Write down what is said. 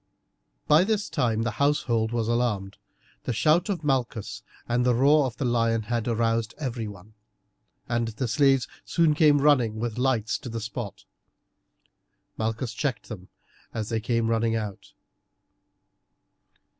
By this time the household was alarmed, the shout of Malchus and the roar of the lion had aroused everyone, and the slaves soon came hurrying with lights to the spot. Malchus checked them as they came running out.